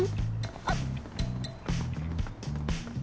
あっ。